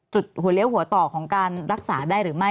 หัวเลี้ยวหัวต่อของการรักษาได้หรือไม่